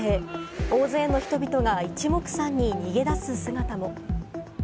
大勢の人々が一目散に逃げ出す姿も。